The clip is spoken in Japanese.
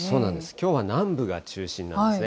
きょうは南部が中心ですね。